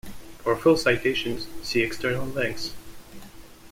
For full citations, see external links.